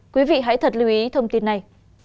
quý vị hãy thật lưu ý thông tin này